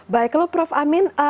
baiklah prof amin